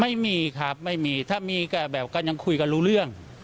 ไม่มีครับไม่มีถ้ามีก็แบบก็ยังคุยกันรู้เรื่อง